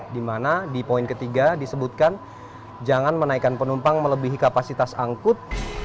di mana di poin ketiga disebutkan jangan menaikkan penumpang melebihi kapasitas angkut